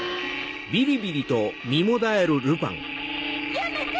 やめて！